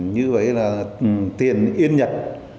như vậy là tiền yên nhật